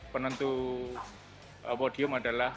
penentu podium adalah